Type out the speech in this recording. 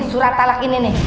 surat talak ini nih